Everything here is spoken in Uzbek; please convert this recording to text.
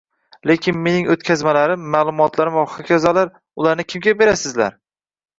lekin mening oʻtkazmalarim, maʼlumotlarim va hokazolar..., ularni kimga berasizlar?